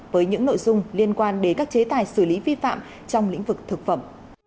với những nội dung liên quan đến các chế tài xử lý vi phạm trong lĩnh vực thực phẩm